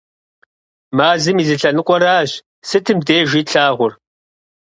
Мазэм и зы лъэныкъуэращ сытым дежи тлъагъур.